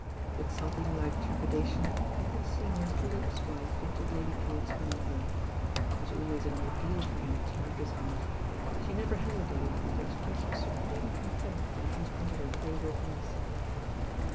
With something like trepidation Edward Seymour followed his wii. Into Lady Drewitt's morning, room. It was always an ordeal for him to meet his aunt. She never hesitated to express her supreme contempt for the husband of her favourite niece.